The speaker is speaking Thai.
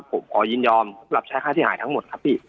ผมขอยินยอมรับใช้ค่าที่หายทั้งหมดครับพี่